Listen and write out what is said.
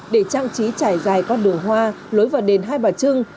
để trang trí trải dài con đường hoa lối vào đền hai bà trưng